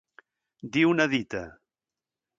Dir una dita.